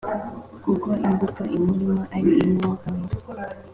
, kuko imbuto imurimo ari iy’Umwuka Wera